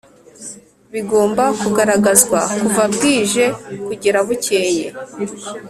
bigomba kugaragazwa kuva bwije kugera bukeye